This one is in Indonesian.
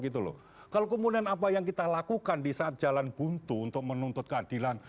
kalau kemudian apa yang kita lakukan di saat jalan buntu untuk menuntut keadilan